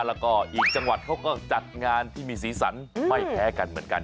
แล้วก็อีกจังหวัดเขาก็จัดงานที่มีสีสันไม่แพ้กันเหมือนกัน